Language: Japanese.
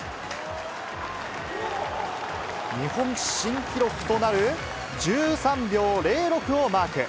日本新記録となる１３秒０６をマーク。